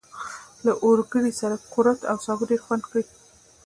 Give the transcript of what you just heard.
له اوگرې سره کورت او سابه ډېر خوند کوي.